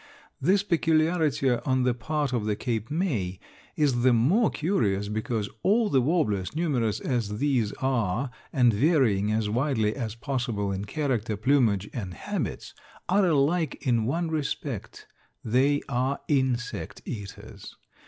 This peculiarity on the part of the Cape May is the more curious because all the warblers, numerous as these are and varying as widely as possible in character, plumage and habits, are alike in one respect they are insect eaters.